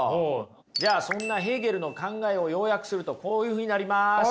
じゃあそんなヘーゲルの考えを要約するとこういうふうになります。